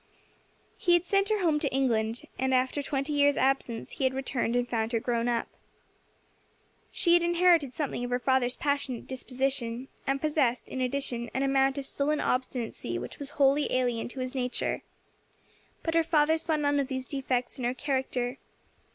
He had sent her home to England, and after a twenty years' absence he had returned and found her grown up. She had inherited something of her father's passionate disposition, and possessed, in addition, an amount of sullen obstinacy which was wholly alien to his nature. But her father saw none of these defects in her character.